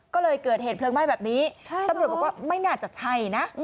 ก็เลยเกิดเหตุเพลิงไหม้แบบนี้ตำรวจบอกว่าไม่น่าจะใช่นะ